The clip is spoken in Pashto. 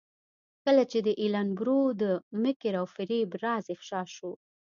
کله چې د ایلن برو د مکر او فریب راز افشا شو.